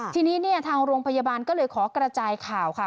ทีนี้เนี่ยทางโรงพยาบาลก็เลยขอกระจายข่าวค่ะ